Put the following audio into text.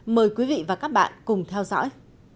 mời quý vị và các bạn cùng theo dõi